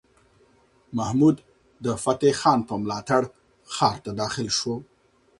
محمود د فتح خان په ملاتړ ښار ته داخل شو.